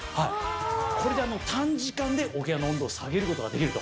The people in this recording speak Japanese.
これで短時間でお部屋の温度を下げることができると。